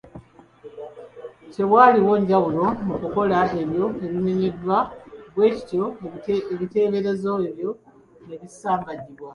Tewaaliwo njawulo mu kukola ebyo ebimenyeddwa, bwe kityo ebiteeberezo ebyo ne bisambajjibwa.